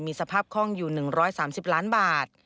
สภาพคล่องอยู่๑๓๐ล้านบาท